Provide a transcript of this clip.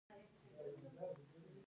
د اوبو سرچینې د افغان کلتور سره تړاو لري.